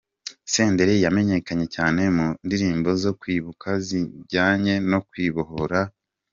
Senderi yamenyekanye cyane mu ndirimbo zo kwibuka n’izijyanye no kwibohora.